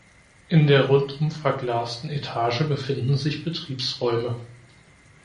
In der rundum verglasten Etage befinden sich Betriebsräume.